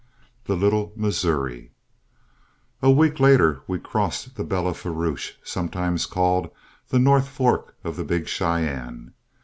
THE LITTLE MISSOURI A week later we crossed the Belle Fourche, sometimes called the North Fork of the Big Cheyenne.